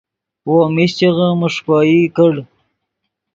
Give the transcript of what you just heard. وو میشچغے میݰکوئی کڑ